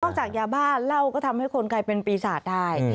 จากยาบ้าเหล้าก็ทำให้คนกลายเป็นปีศาจได้